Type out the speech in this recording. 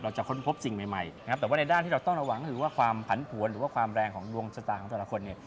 จะค้นพบสิ่งใหม่นะครับแต่ว่าในด้านที่เราต้องระวังก็คือว่าความผันผวนหรือว่าความแรงของดวงชะตาของแต่ละคนเนี่ย